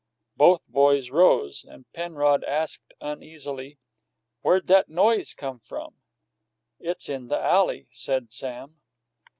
Both boys rose, and Penrod asked uneasily, "Where'd that noise come from?" "It's in the alley," said Sam.